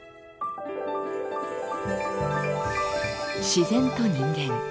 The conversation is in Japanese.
自然と人間。